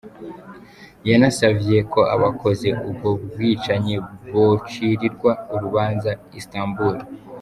Yanasavye ko abakoze ubwo bwicanyi bocirirwa urubanza i Istanbul.